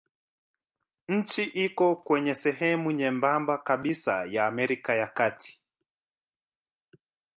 Nchi iko kwenye sehemu nyembamba kabisa ya Amerika ya Kati.